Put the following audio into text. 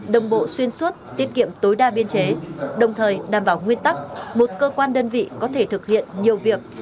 đồng bộ xuyên suốt tiết kiệm tối đa biên chế đồng thời đảm bảo nguyên tắc một cơ quan đơn vị có thể thực hiện nhiều việc